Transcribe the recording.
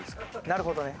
なるほどね。